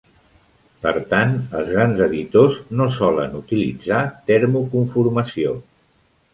Per tant, els grans editors no solen utilitzar termocomformació.